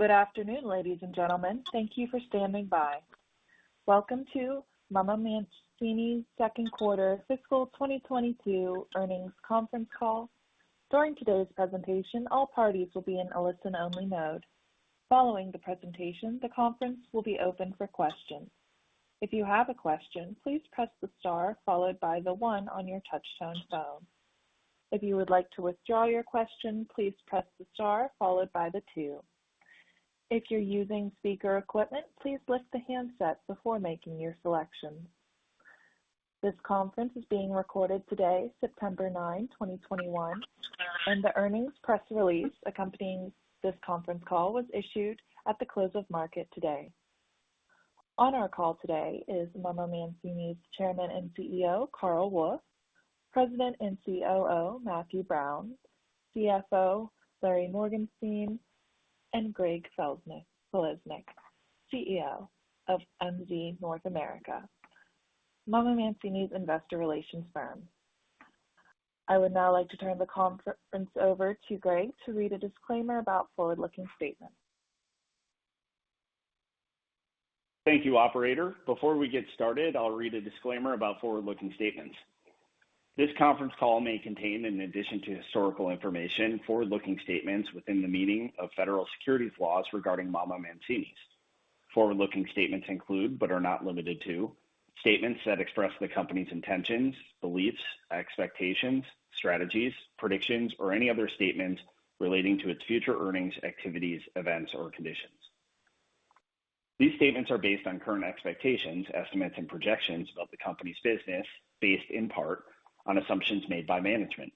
Good afternoon, ladies and gentlemen. Thank you for standing by. Welcome to MamaMancini's second quarter fiscal 2022 earnings conference call. During today's presentation, all parties will be in a listen-only mode. Following the presentation, the conference will be open for questions. This conference is being recorded today, September 9, 2021, and the earnings press release accompanying this conference call was issued at the close of market today. On our call today is MamaMancini's Chairman and CEO, Carl Wolf, President and COO, Matthew Brown, CFO, Larry Morgenstein, and Greg Falesnik, CEO of MZ North America, MamaMancini's investor relations firm. I would now like to turn the conference over to Greg to read a disclaimer about forward-looking statements. Thank you, operator. Before we get started, I'll read a disclaimer about forward-looking statements. This conference call may contain, in addition to historical information, forward-looking statements within the meaning of federal securities laws regarding MamaMancini's. Forward-looking statements include, but are not limited to, statements that express the company's intentions, beliefs, expectations, strategies, predictions, or any other statements relating to its future earnings, activities, events, or conditions. These statements are based on current expectations, estimates, and projections about the company's business, based in part on assumptions made by management.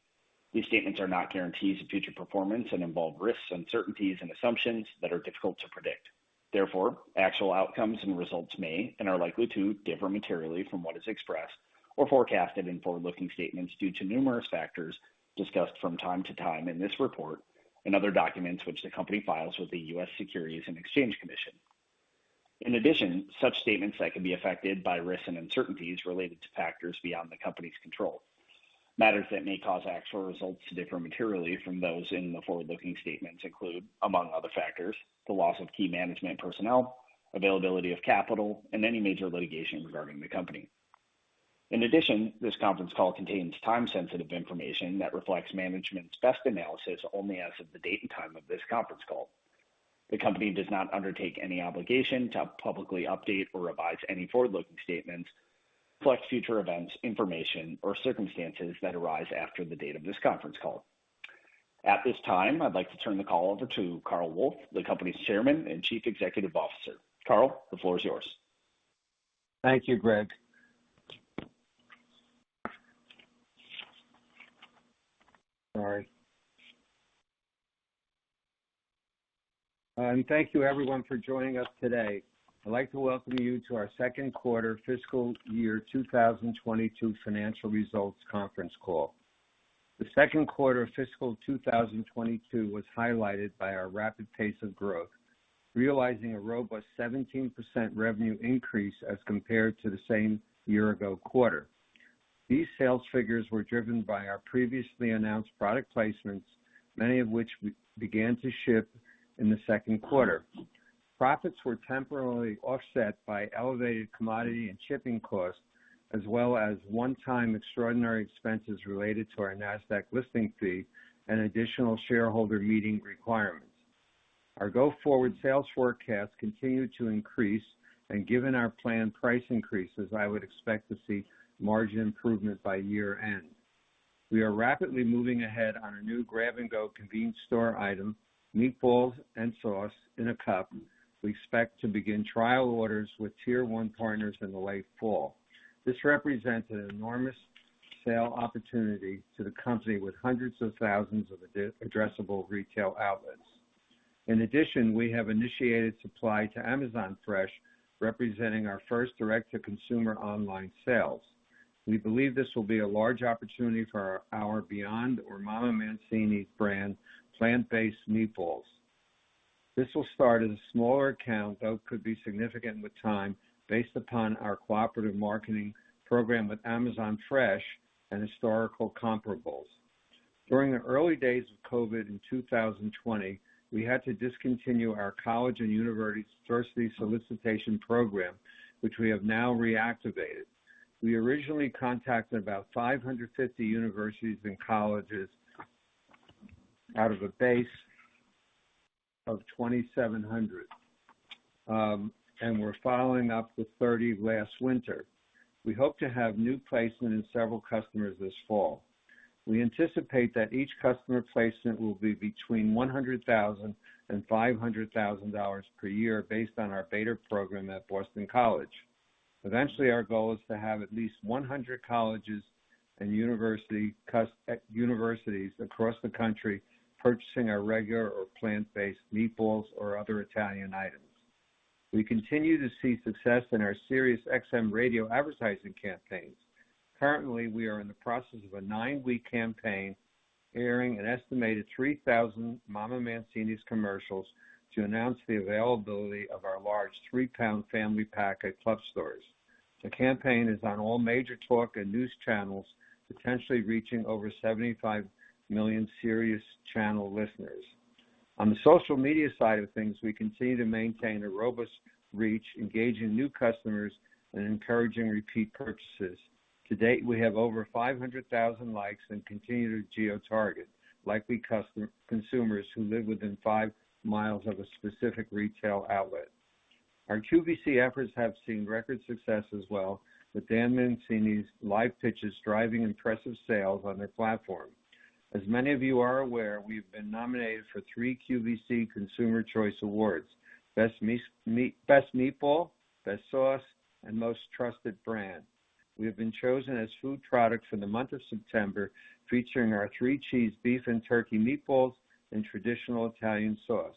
These statements are not guarantees of future performance and involve risks, uncertainties, and assumptions that are difficult to predict. Therefore, actual outcomes and results may, and are likely to, differ materially from what is expressed or forecasted in forward-looking statements due to numerous factors discussed from time to time in this report and other documents which the company files with the U.S. Securities and Exchange Commission. In addition, such statements that could be affected by risks and uncertainties related to factors beyond the company's control. Matters that may cause actual results to differ materially from those in the forward-looking statements include, among other factors, the loss of key management personnel, availability of capital, and any major litigation regarding the company. In addition, this conference call contains time-sensitive information that reflects management's best analysis only as of the date and time of this conference call. The company does not undertake any obligation to publicly update or revise any forward-looking statements, reflect future events, information, or circumstances that arise after the date of this conference call. At this time, I'd like to turn the call over to Carl Wolf, the company's Chairman and Chief Executive Officer. Carl, the floor is yours. Thank you, Greg. Sorry. Thank you everyone for joining us today. I'd like to welcome you to our second quarter fiscal year 2022 financial results conference call. The second quarter of fiscal 2022 was highlighted by our rapid pace of growth, realizing a robust 17% revenue increase as compared to the same year-ago quarter. These sales figures were driven by our previously announced product placements, many of which we began to ship in the second quarter. Profits were temporarily offset by elevated commodity and shipping costs, as well as one-time extraordinary expenses related to our Nasdaq listing fee and additional shareholder meeting requirements. Our go-forward sales forecasts continue to increase, and given our planned price increases, I would expect to see margin improvement by year-end. We are rapidly moving ahead on our new grab-and-go convenience store item, meatballs and sauce in a cup. We expect to begin trial orders with tier one partners in the late fall. This represents an enormous sale opportunity to the company with hundreds of thousands of addressable retail outlets. In addition, we have initiated supply to Amazon Fresh, representing our first direct-to-consumer online sales. We believe this will be a large opportunity for our Beyond Meat or MamaMancini's brand plant-based meatballs. This will start as a smaller account, though could be significant with time based upon our cooperative marketing program with Amazon Fresh and historical comparables. During the early days of COVID in 2020, we had to discontinue our college and university solicitation program, which we have now reactivated. We originally contacted about 550 universities and colleges out of a base of 2,700. We're following up with 30 last winter. We hope to have new placement in several customers this fall. We anticipate that each customer placement will be between $100,000 and $500,000 per year based on our beta program at Boston College. Eventually, our goal is to have at least 100 colleges and universities across the country purchasing our regular or plant-based meatballs or other Italian items. We continue to see success in our SiriusXM advertising campaigns. Currently, we are in the process of a nine-week campaign, airing an estimated 3,000 MamaMancini's commercials to announce the availability of our large 3-lb family pack at club stores. The campaign is on all major talk and news channels, potentially reaching over 75 million Sirius channel listeners. On the social media side of things, we continue to maintain a robust reach, engaging new customers, and encouraging repeat purchases. To date, we have over 500,000 likes and continue to geo-target likely consumers who live within 5 mi of a specific retail outlet. Our QVC efforts have seen record success as well, with Dan Mancini's live pitches driving impressive sales on their platform. As many of you are aware, we've been nominated for three QVC Customer Choice Food Awards: Best Meatball, Best Sauce, and Most Trusted Brand. We have been chosen as food product for the month of September, featuring our three cheese, beef, and turkey meatballs in traditional Italian sauce.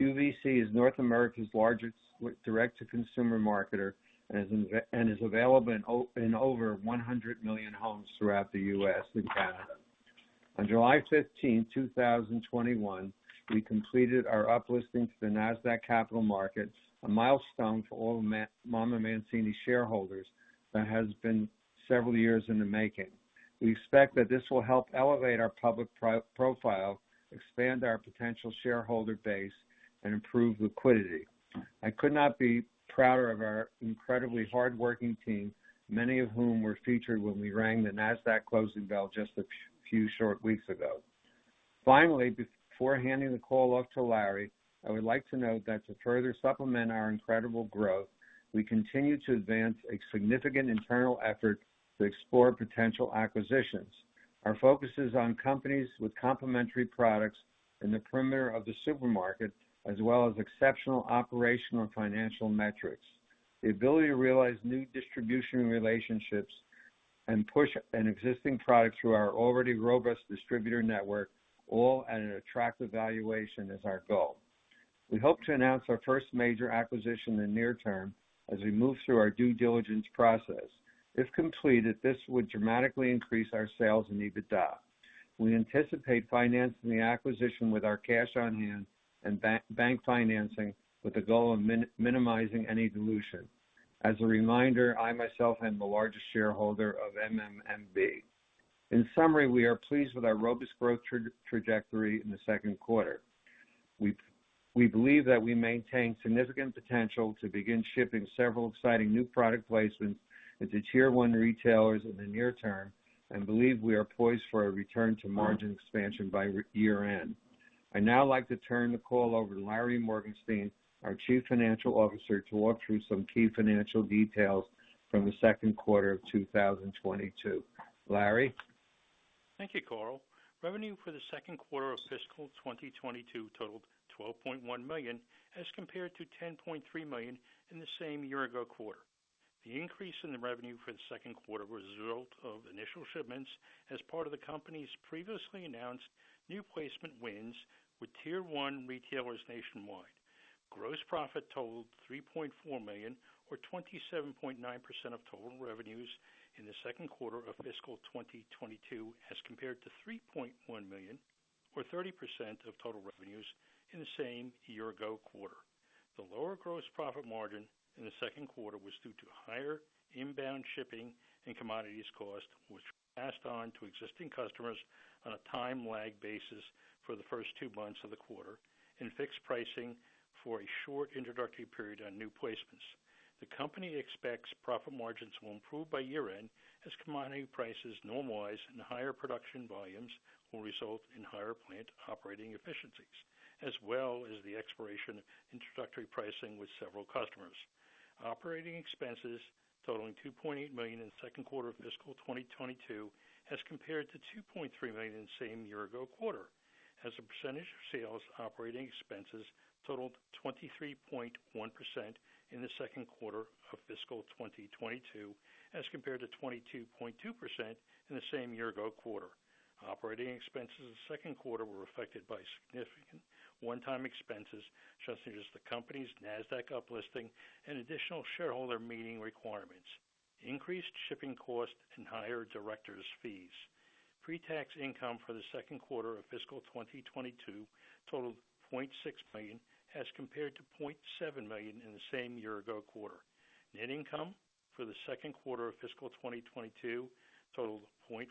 QVC is North America's largest direct-to-consumer marketer and is available in over 100 million homes throughout the U.S. and Canada. On July 15, 2021, we completed our uplisting to the Nasdaq Capital Market, a milestone for all MamaMancini's shareholders that has been several years in the making. We expect that this will help elevate our public profile, expand our potential shareholder base, and improve liquidity. I could not be prouder of our incredibly hardworking team, many of whom were featured when we rang the Nasdaq closing bell just a few short weeks ago. Finally, before handing the call off to Larry, I would like to note that to further supplement our incredible growth, we continue to advance a significant internal effort to explore potential acquisitions. Our focus is on companies with complementary products in the perimeter of the supermarket, as well as exceptional operational and financial metrics. The ability to realize new distribution relationships and push an existing product through our already robust distributor network, all at an attractive valuation, is our goal. We hope to announce our first major acquisition in the near term as we move through our due diligence process. If completed, this would dramatically increase our sales and EBITDA. We anticipate financing the acquisition with our cash on hand and bank financing with the goal of minimizing any dilution. As a reminder, I myself am the largest shareholder of MMMB. In summary, we are pleased with our robust growth trajectory in the second quarter. We believe that we maintain significant potential to begin shipping several exciting new product placements into tier-one retailers in the near term and believe we are poised for a return to margin expansion by year-end. I'd now like to turn the call over to Larry Morgenstein, our Chief Financial Officer, to walk through some key financial details from the second quarter of 2022. Larry? Thank you, Carl. Revenue for the second quarter of fiscal 2022 totaled $12.1 million as compared to $10.3 million in the same year-ago quarter. The increase in the revenue for the second quarter was a result of initial shipments as part of the company's previously announced new placement wins with tier-one retailers nationwide. Gross profit totaled $3.4 million or 27.9% of total revenues in the second quarter of fiscal 2022 as compared to $3.1 million or 30% of total revenues in the same year-ago quarter. The lower gross profit margin in the second quarter was due to higher inbound shipping and commodities cost, which were passed on to existing customers on a time lag basis for the first two months of the quarter and fixed pricing for a short introductory period on new placements. The company expects profit margins will improve by year-end as commodity prices normalize and higher production volumes will result in higher plant operating efficiencies, as well as the expiration of introductory pricing with several customers. Operating expenses totaling $2.8 million in the second quarter of fiscal 2022 as compared to $2.3 million in the same year-ago quarter. As a percentage of sales, operating expenses totaled 23.1% in the second quarter of fiscal 2022 as compared to 22.2% in the same year-ago quarter. Operating expenses in the second quarter were affected by significant one-time expenses such as the company's Nasdaq uplisting and additional shareholder meeting requirements, increased shipping costs, and higher directors' fees. Pre-tax income for the second quarter of fiscal 2022 totaled $0.6 million as compared to $0.7 million in the same year-ago quarter. Net income for the second quarter of fiscal 2022 totaled $0.4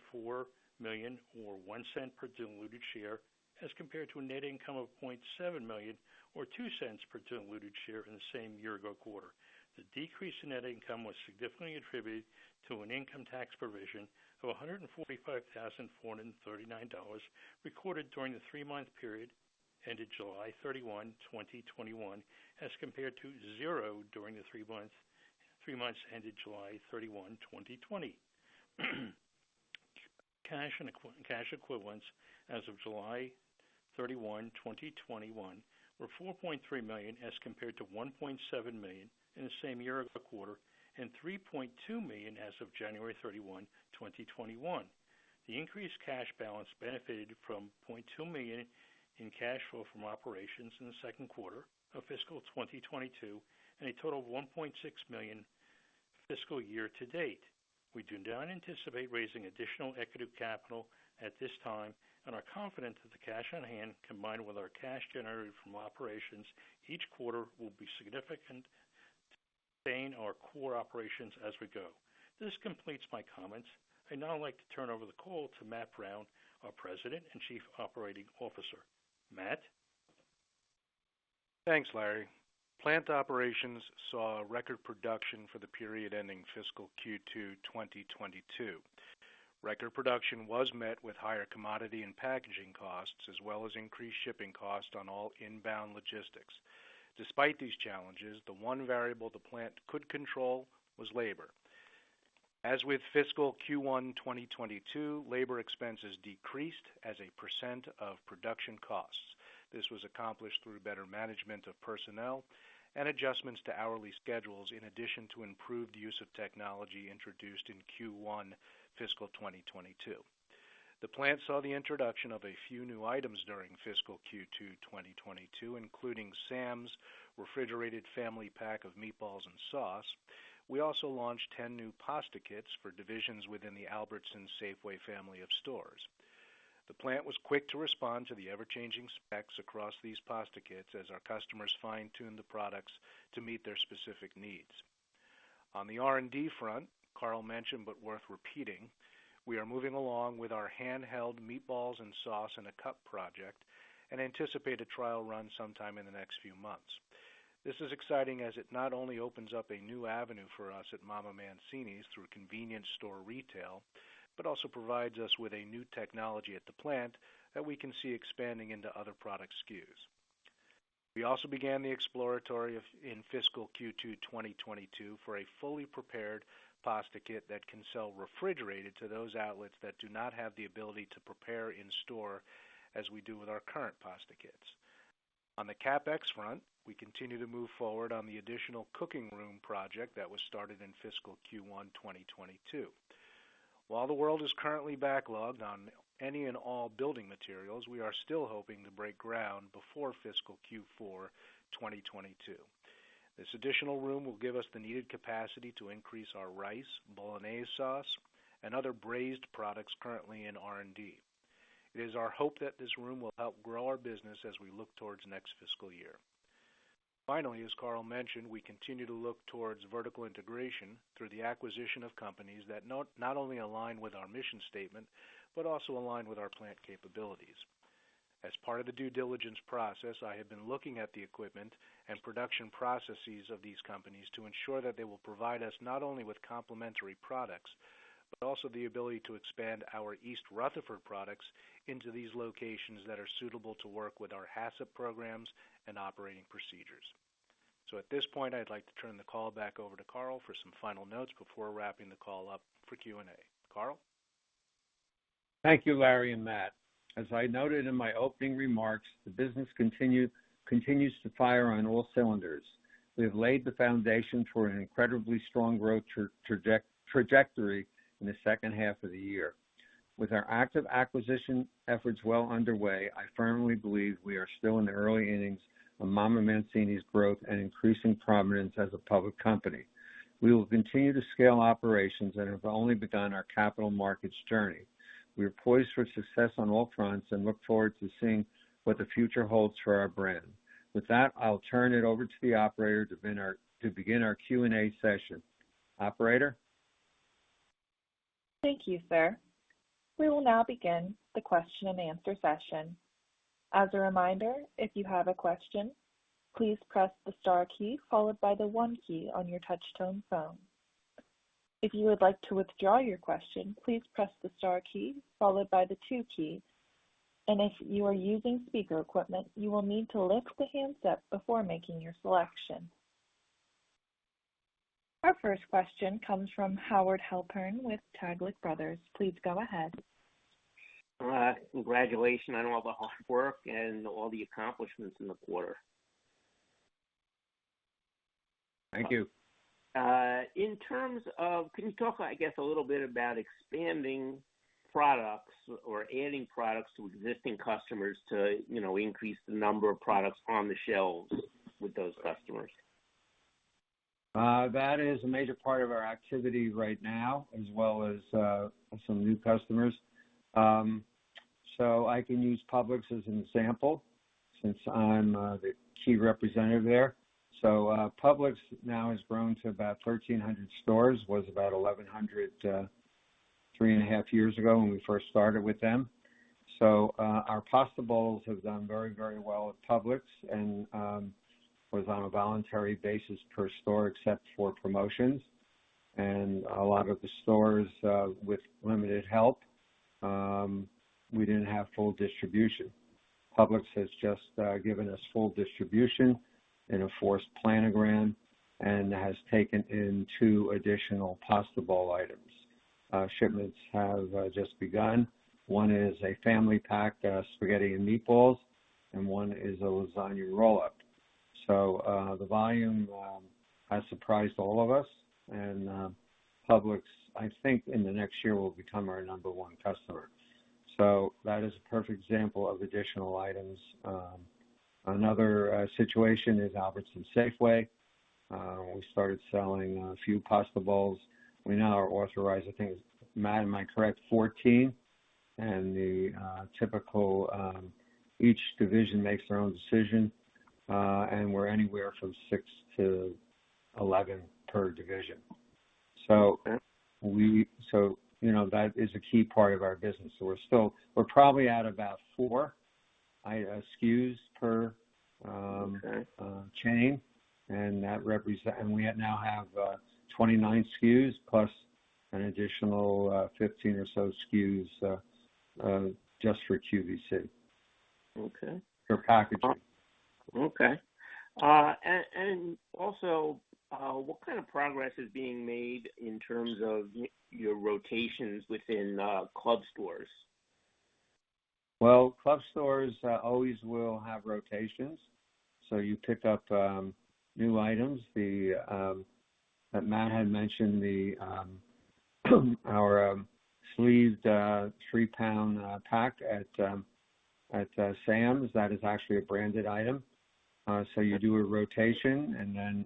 million or $0.01 per diluted share as compared to a net income of $0.7 million or $0.02 per diluted share in the same year-ago quarter. The decrease in net income was significantly attributed to an income tax provision of $145,439 recorded during the three-month period ended July 31, 2021, as compared to zero during the three months ended July 31, 2020. Cash and cash equivalents as of July 31, 2021, were $4.3 million as compared to $1.7 million in the same year-ago quarter and $3.2 million as of January 31, 2021. The increased cash balance benefited from $0.2 million in cash flow from operations in the second quarter of fiscal 2022, and a total of $1.6 million fiscal year to date. We do not anticipate raising additional equity capital at this time and are confident that the cash on hand, combined with our cash generated from operations each quarter, will be significant to sustain our core operations as we go. This completes my comments. I'd now like to turn over the call to Matthew Brown, our President and Chief Operating Officer. Matthew? Thanks, Larry. Plant operations saw a record production for the period ending fiscal Q2 2022. Record production was met with higher commodity and packaging costs, as well as increased shipping costs on all inbound logistics. Despite these challenges, the one variable the plant could control was labor. As with fiscal Q1 2022, labor expenses decreased as a percent of production costs. This was accomplished through better management of personnel and adjustments to hourly schedules, in addition to improved use of technology introduced in Q1 fiscal 2022. The plant saw the introduction of a few new items during fiscal Q2 2022, including Sam's Club refrigerated family pack of meatballs in sauce. We also launched 10 new pasta kits for divisions within the Albertsons Safeway family of stores. The plant was quick to respond to the ever-changing specs across these pasta kits as our customers fine-tuned the products to meet their specific needs. On the R&D front, Carl mentioned, but worth repeating, we are moving along with our handheld meatballs and sauce in a cup project, and anticipate a trial run sometime in the next few months. This is exciting as it not only opens up a new avenue for us at MamaMancini's through convenience store retail, but also provides us with a new technology at the plant that we can see expanding into other product SKUs. We also began the exploratory in fiscal Q2 2022 for a fully prepared pasta kit that can sell refrigerated to those outlets that do not have the ability to prepare in-store as we do with our current pasta kits. On the CapEx front, we continue to move forward on the additional cooking room project that was started in fiscal Q1 2022. While the world is currently backlogged on any and all building materials, we are still hoping to break ground before fiscal Q4 2022. This additional room will give us the needed capacity to increase our rice, bolognese sauce, and other braised products currently in R&D. It is our hope that this room will help grow our business as we look towards next fiscal year. Finally, as Carl mentioned, we continue to look towards vertical integration through the acquisition of companies that not only align with our mission statement, but also align with our plant capabilities. As part of the due diligence process, I have been looking at the equipment and production processes of these companies to ensure that they will provide us not only with complementary products, but also the ability to expand our East Rutherford products into these locations that are suitable to work with our HACCP programs and operating procedures. At this point, I'd like to turn the call back over to Carl for some final notes before wrapping the call up for Q&A. Carl? Thank you, Larry and Matt. As I noted in my opening remarks, the business continues to fire on all cylinders. We have laid the foundation for an incredibly strong growth trajectory in the second half of the year. With our active acquisition efforts well underway, I firmly believe we are still in the early innings of MamaMancini's growth and increasing prominence as a public company. We will continue to scale operations and have only begun our capital markets journey. We are poised for success on all fronts and look forward to seeing what the future holds for our brand. With that, I'll turn it over to the operator to begin our Q&A session. Operator? Thank you, sir. We will now begin the question and answer session. As a reminder, if you have a question, please press the star key followed by the one key on your touchtone phone. If you would like to withdraw your question, please press the star key followed by the two key, and if you are using speaker equipment, you will need to lift the handset before making your selection. Our first question comes from Howard Halpern with Taglich Brothers. Please go ahead. All right. Congratulations on all the hard work and all the accomplishments in the quarter. Thank you. Can you talk, I guess, a little bit about expanding products or adding products to existing customers to increase the number of products on the shelves with those customers? That is a major part of our activity right now, as well as some new customers. I can use Publix as an example since I'm the key representative there. Publix now has grown to about 1,300 stores, was about 1,100 3 and a half years ago when we first started with them. Our pasta bowls have done very well with Publix and was on a voluntary basis per store except for promotions. A lot of the stores with limited help, we didn't have full distribution. Publix has just given us full distribution in a forced planogram and has taken in two additional pasta bowl items. Shipments have just begun. One is a family pack spaghetti and meatballs, and one is a lasagna roll-up. The volume has surprised all of us, and Publix, I think in the next year, will become our number one customer. That is a perfect example of additional items. Another situation is Albertsons Safeway. We started selling a few pasta bowls. We now are authorized, I think, Matt, am I correct, 14? The typical, each division makes their own decision, and we're anywhere from 6 to 11 per division. Okay. That is a key part of our business. We're probably at about 4 SKUs. Okay chain, and we now have 29 SKUs plus an additional 15 or so SKUs just for QVC. Okay. For packaging. Okay. Also, what kind of progress is being made in terms of your rotations within club stores? Club stores always will have rotations. You pick up new items. Matt had mentioned our sleeved 3-lb pack at Sam's. That is actually a branded item. You do a rotation, and then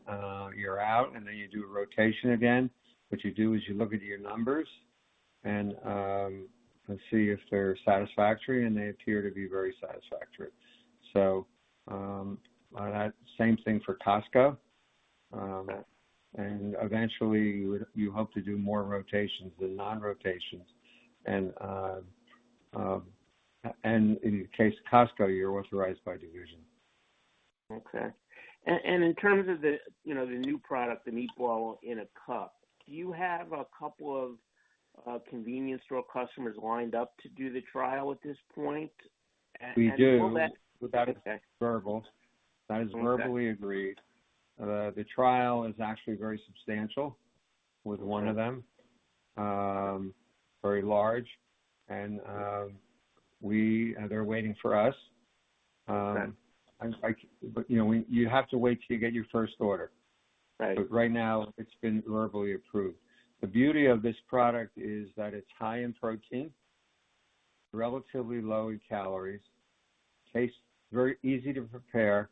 you're out, and then you do a rotation again. What you do is you look at your numbers and see if they're satisfactory, and they appear to be very satisfactory. That same thing for Costco. Okay. Eventually, you hope to do more rotations than non-rotations. In the case of Costco, you're authorized by division. Okay. In terms of the new product, the meatball in a cup, do you have a couple of convenience store customers lined up to do the trial at this point? We do. And will that- That is verbally agreed. The trial is actually very substantial with one of them, very large. They're waiting for us. Okay. You have to wait till you get your first order. Right. Right now, it's been verbally approved. The beauty of this product is that it's high in protein, relatively low in calories, tastes very easy to prepare,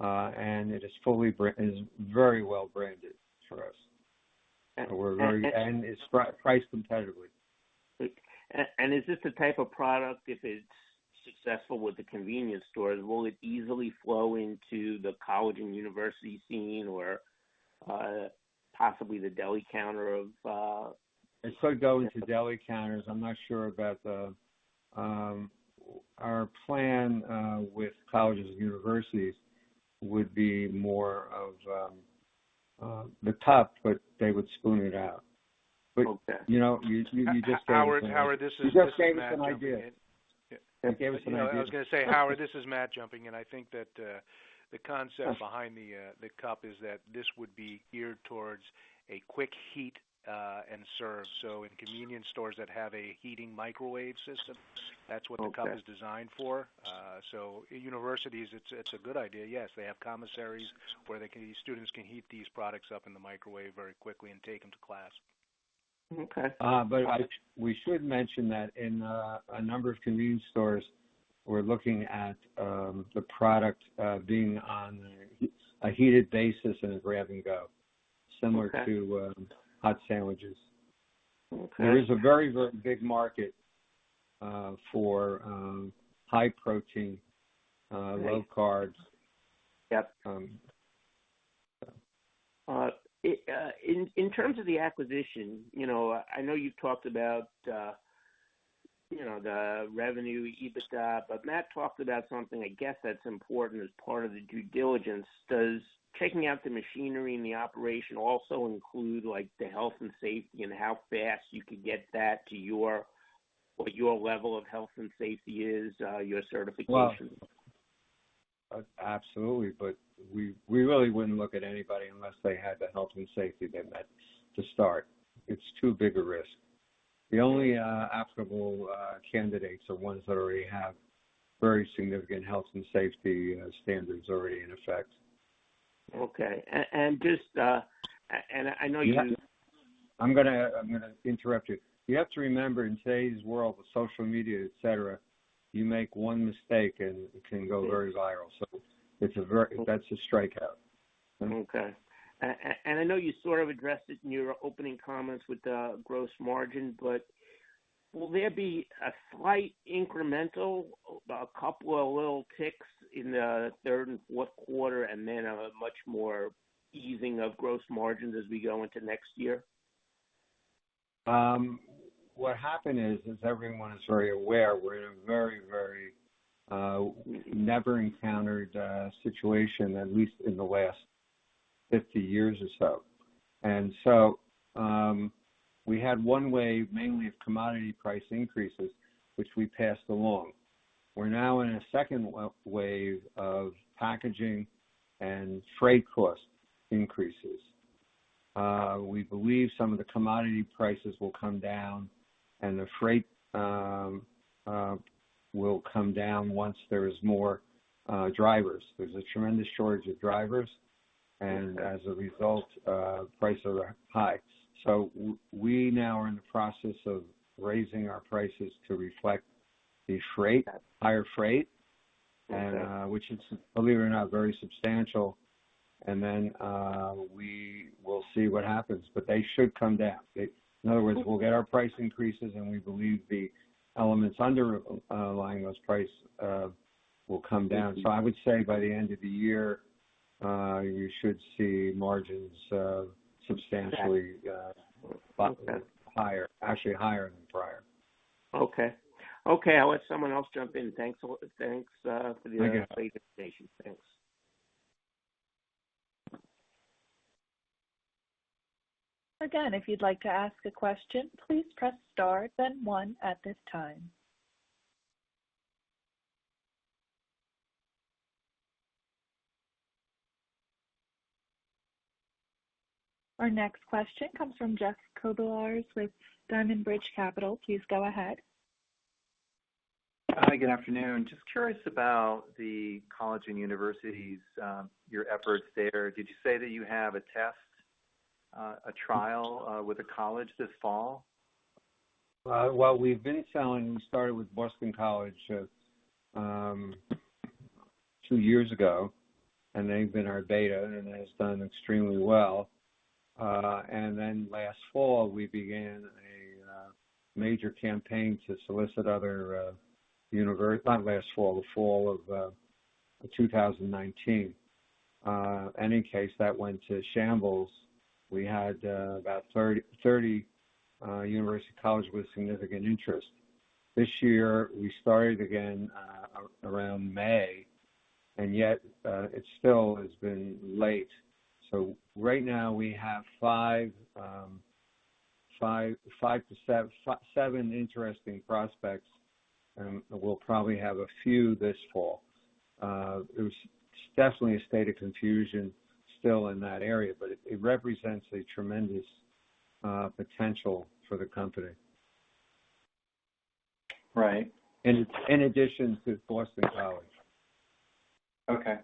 and it is very well branded for us. Okay. It's priced competitively. Is this the type of product, if it's successful with the convenience stores, will it easily flow into the college and university scene or possibly the deli counter? It started going to deli counters. Our plan with colleges and universities would be more of the cup, but they would spoon it out. Okay. You just gave me an idea. You just gave us an idea. I was going to say, Howard, this is Matt jumping in. I think that the concept behind the cup is that this would be geared towards a quick heat and serve. In convenience stores that have a heating microwave system, that's what the cup is designed for. Universities, it's a good idea. Yes, they have commissaries where the students can heat these products up in the microwave very quickly and take them to class. Okay. We should mention that in a number of convenience stores, we're looking at the product being on a heated basis and a grab and go, similar to hot sandwiches. Okay. There is a very big market for high protein, low carbs. Yep. In terms of the acquisition, I know you've talked about the revenue, EBITDA, but Matt talked about something, I guess, that's important as part of the due diligence. Does checking out the machinery and the operation also include the health and safety and how fast you could get that to what your level of health and safety is, your certification? Well, absolutely. We really wouldn't look at anybody unless they had the health and safety net to start. It's too big a risk. The only applicable candidates are ones that already have very significant health and safety standards already in effect. Okay. I'm gonna interrupt you. You have to remember in today's world with social media, et cetera, you make one mistake and it can go very viral. That's a strikeout. Okay. I know you sort of addressed it in your opening comments with the gross margin, but will there be a slight incremental, a couple of little ticks in the third and fourth quarter, and then a much more easing of gross margins as we go into next year? What happened is, as everyone is very aware, we're in a very never encountered situation, at least in the last 50 years or so. We had one wave, mainly of commodity price increases, which we passed along. We're now in a second wave of packaging and freight cost increases. We believe some of the commodity prices will come down, and the freight will come down once there is more drivers. There's a tremendous shortage of drivers. As a result, prices are high. We now are in the process of raising our prices to reflect the higher freight, which is, believe it or not, very substantial. We will see what happens, but they should come down. In other words, we'll get our price increases, and we believe the elements underlying those prices will come down. I would say by the end of the year, you should see margins. Okay actually higher than prior. Okay. I'll let someone else jump in. Thanks for the update. You got it. Thanks. If you'd like to ask a question, please press star then one at this time. Our next question comes from Jeff Kobylarz with Diamond Bridge Capital. Please go ahead. Hi, good afternoon. Just curious about the college and universities, your efforts there. Did you say that you have a test, a trial with a college this fall? Well, we've been selling, we started with Boston College two years ago, and they've been our beta, and it has done extremely well. Then last fall, we began a major campaign to solicit other universities. Not last fall, the fall of 2019. In case that went to shambles, we had about 30 university colleges with significant interest. This year, we started again around May, yet, it still has been late. Right now, we have five to seven interesting prospects, and we'll probably have a few this fall. It was definitely a state of confusion still in that area, but it represents a tremendous potential for the company. Right. In addition to Boston College. Okay.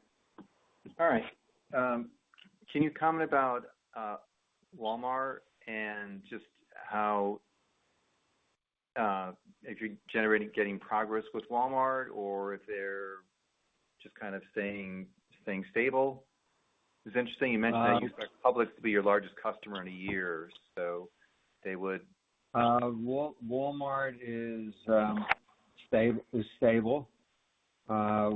All right. Can you comment about Walmart and just if you're generating progress with Walmart or if they're just kind of staying stable? It's interesting you mentioned that you expect Publix to be your largest customer in a year. Walmart is stable.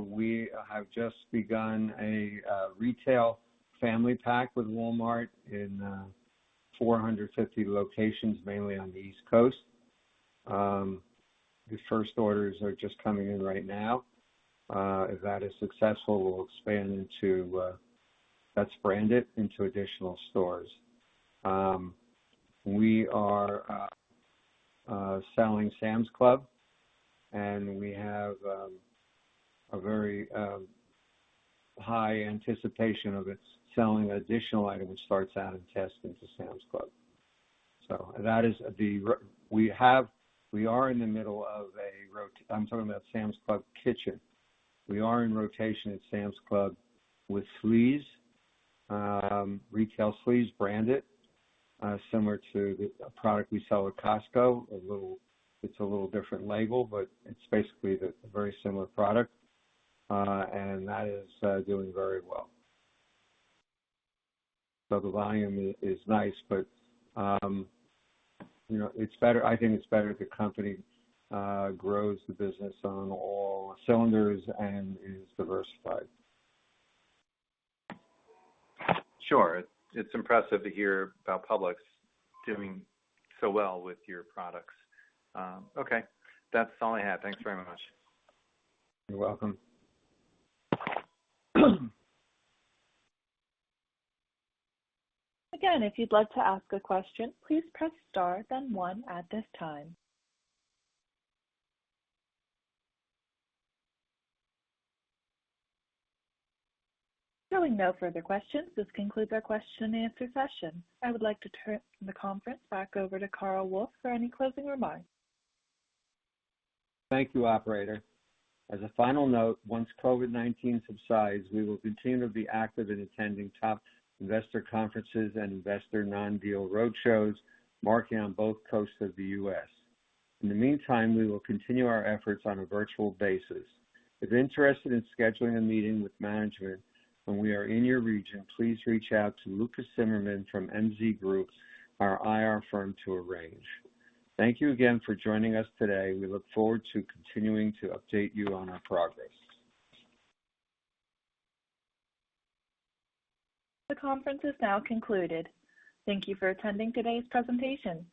We have just begun a retail family pack with Walmart in 450 locations, mainly on the East Coast. The first orders are just coming in right now. If that is successful, we'll expand into that's branded into additional stores. We are selling Sam's Club, and we have a very high anticipation of it selling an additional item that starts out in test into Sam's Club. I'm talking about Sam's Club Kitchen. We are in rotation at Sam's Club with sleeves, retail sleeves branded, similar to a product we sell at Costco. It's a little different label, but it's basically the very similar product. That is doing very well. The volume is nice, but I think it's better if the company grows the business on all cylinders and is diversified. Sure. It's impressive to hear about Publix doing so well with your products. Okay. That's all I had. Thanks very much. You're welcome. Showing no further questions, this concludes our question and answer session. I would like to turn the conference back over to Carl Wolf for any closing remarks. Thank you, operator. As a final note, once COVID-19 subsides, we will continue to be active in attending top investor conferences and investor non-deal roadshows, marking on both coasts of the U.S. In the meantime, we will continue our efforts on a virtual basis. If interested in scheduling a meeting with management when we are in your region, please reach out to Lucas Zimmerman from MZ Group, our IR firm, to arrange. Thank you again for joining us today. We look forward to continuing to update you on our progress. The conference is now concluded. Thank you for attending today's presentation.